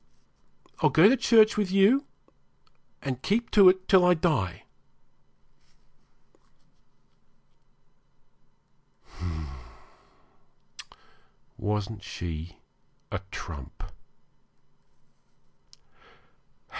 I'll go to church with you, and keep to it till I die.' Wasn't she a trump?